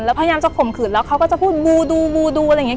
แล้วพยายามจะข่มขืนแล้วเขาก็จะพูดบูดูบูดูอะไรอย่างนี้